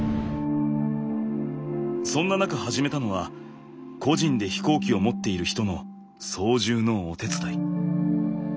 そんな中始めたのは個人で飛行機を持っている人の操縦のお手伝い。